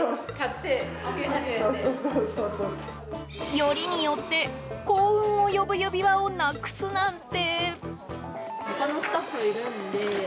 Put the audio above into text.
よりによって幸運を呼ぶ指輪をなくすなんて。